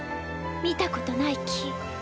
見たことない木。